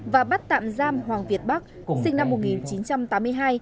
và bắt tạm giam hoàng việt bắc sinh năm một nghìn chín trăm tám mươi hai